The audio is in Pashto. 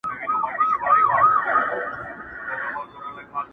بلبلو باندي اوري آفتونه لکه غشي،